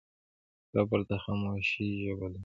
قبر د خاموشۍ ژبه لري.